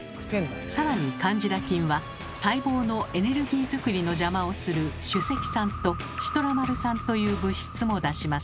さらにカンジダ菌は細胞のエネルギー作りの邪魔をする酒石酸とシトラマル酸という物質も出します。